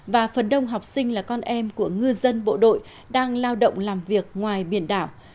và phần đông học sinh là con em của ngư dân bộ đội đang lao động làm việc ngoài biển đảo